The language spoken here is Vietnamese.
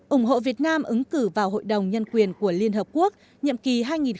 ủng hộ việt nam ứng cử vào hội đồng nhân quyền của liên hợp quốc nhậm kỳ hai nghìn một mươi bốn hai nghìn một mươi sáu